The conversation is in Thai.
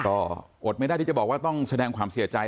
ก็อดไม่ได้ที่จะบอกว่าต้องแสดงความเสียใจ